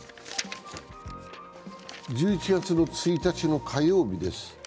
１１月１日の火曜日です。